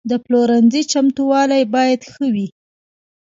د پلورنځي چمتووالی باید ښه وي.